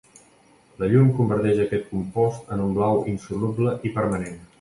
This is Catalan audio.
La llum converteix aquest compost en un blau insoluble i permanent.